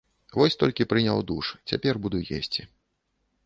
Вось толькі прыняў душ, цяпер буду есці.